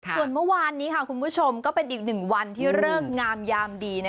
ส่วนเมื่อวานนี้ค่ะคุณผู้ชมก็เป็นอีกหนึ่งวันที่เลิกงามยามดี